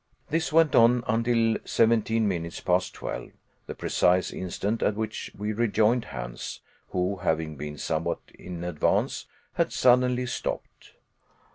This went on until seventeen minutes past twelve, the precise instant at which we rejoined Hans, who, having been somewhat in advance, had suddenly stopped.